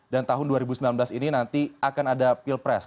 dan tahun dua ribu sembilan belas ini nanti akan ada pilpres